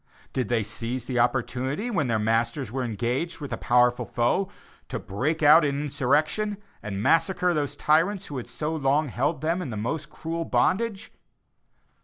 Did they seize the "opportunity" when their masters were engaged with a powerful foe, to break out in insurrection, and massacre those tyrants who had so long held them in the most cruel bondage?